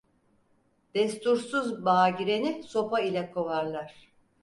Destursuz bağa gireni sopa ile kovarlar.